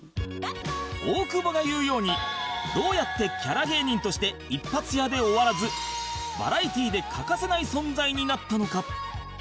大久保が言うようにどうやってキャラ芸人として一発屋で終わらずバラエティで欠かせない存在になったのか？